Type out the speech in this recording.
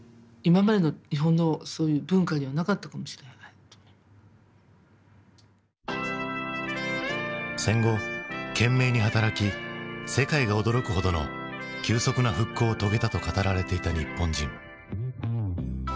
そして行く時も戦後懸命に働き世界が驚くほどの急速な復興を遂げたと語られていた日本人。